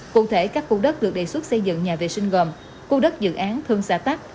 cụ thể các khu đất được đề xuất xây dựng nhà vệ sinh gồm khu đất dự án thân xã tắc